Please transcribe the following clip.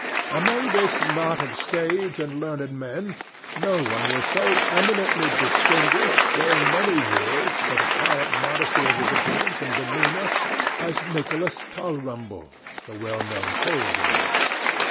Among this knot of sage and learned men, no one was so eminently distinguished, during many years, for the quiet modesty of his appearance and demeanour, as Nicholas Tulrumble, the well known coal dealer.